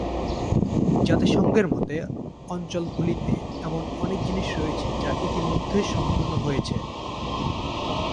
জাতিসংঘের মতে, অঞ্চলগুলিতে এমন অনেক জিনিস রয়েছে যা ইতিমধ্যে সম্পন্ন হয়েছে।